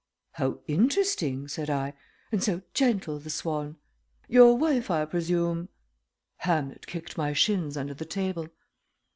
"How interesting!" said I. "And so gentle, the swan. Your wife, I presume " Hamlet kicked my shins under the table.